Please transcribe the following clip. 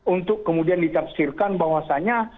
untuk kemudian dicapsirkan bahwasanya